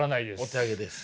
お手上げです。